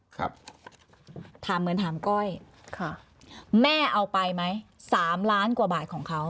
ครับถามเหมือนถามก้อยค่ะแม่เอาไปไหมสามล้านกว่าบาทของเขา